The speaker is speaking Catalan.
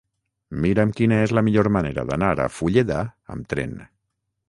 Mira'm quina és la millor manera d'anar a Fulleda amb tren.